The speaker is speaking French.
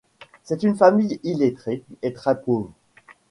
C'est une famille illettrée et très pauvre.